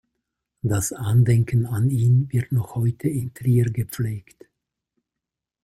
Das Andenken an ihn wird noch heute in Trier gepflegt.